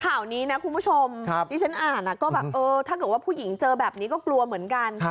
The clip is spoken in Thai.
ข่าวนี้นะคุณผู้ชมที่ฉันอ่านก็แบบเออถ้าเกิดว่าผู้หญิงเจอแบบนี้ก็กลัวเหมือนกัน